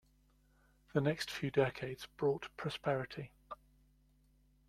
The next few decades brought prosperity.